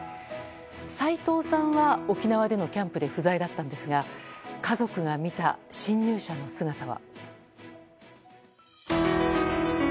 斎藤さんは沖縄でのキャンプで不在だったんですが家族が見た、侵入者の姿は。